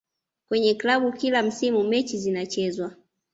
kwenye klabu kila msimu mechi zinachezwa